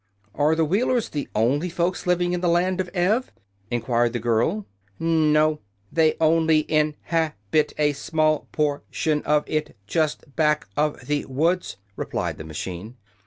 "Are the Wheelers the only folks living in the Land of Ev?" enquired the girl. "No; they on ly in hab it a small por tion of it just back of the woods," replied the machine.